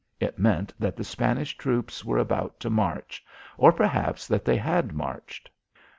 It meant that the Spanish troops were about to march, or perhaps that they had marched.